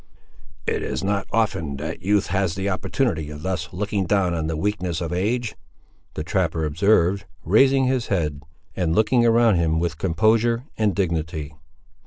"It is not often that youth has an opportunity of thus looking down on the weakness of age!" the trapper observed, raising his head, and looking around him with composure and dignity.